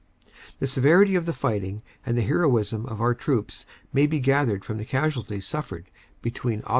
"The severity of the fighting and the heroism of our troops may be gathered from the casualties suffered between Aug.